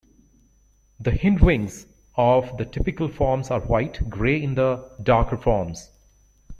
The hindwings of the typical forms are white, grey in the darker forms.